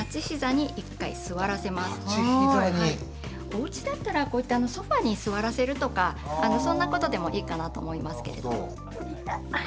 おうちだったらこういったソファーに座らせるとかそんなことでもいいかなと思いますけれども。